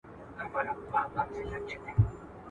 چي قاضي او مفتي ناست وي ماران ګرځي